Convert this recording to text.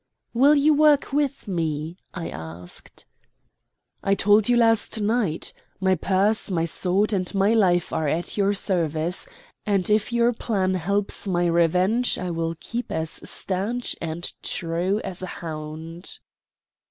"Will you work with me?" I asked. "I told you last night my purse, my sword, and my life are at your service, and if your plan helps my revenge I will keep as stanch and true as a hound."